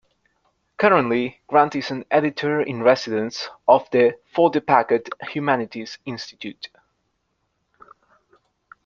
Currently, Grant is an Editor-in-Residence of the for the Packard Humanities Institute.